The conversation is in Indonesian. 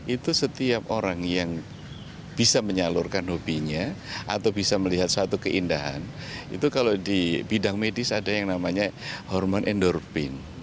itu setiap orang yang bisa menyalurkan hobinya atau bisa melihat suatu keindahan itu kalau di bidang medis ada yang namanya hormon endorfin